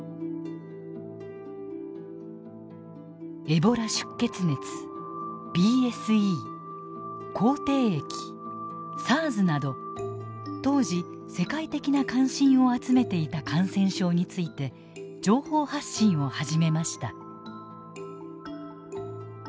エボラ出血熱ＢＳＥ口蹄疫ＳＡＲＳなど当時世界的な関心を集めていた感染症について情報発信を始めました。